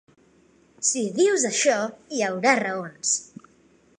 Si dius això, hi haurà raons.